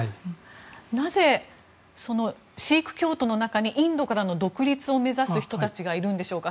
なぜ、シーク教徒の中にインドからの独立を目指す人たちがいるんでしょうか？